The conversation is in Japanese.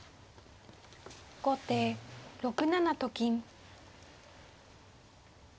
後手６七と金。